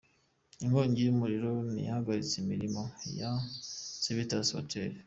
Inkongi y’umuriro ntiyahagaritse imirimo ya Civitas Hotel.